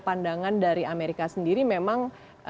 pandangan dari amerika sendiri memang